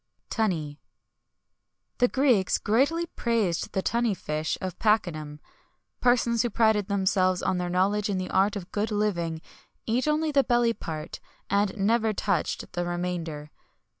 [XXI 100] TUNNY. The Greeks greatly praised the tunny fish of Pachynum.[XXI 101] Persons who prided themselves on their knowledge in the art of good living, eat only the belly part,[XXI 102] and never touched the remainder.